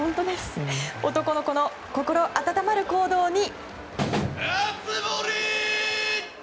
男の子の心温まる行動に。